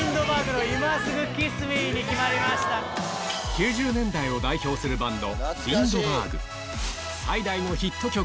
９０年代を代表するバンド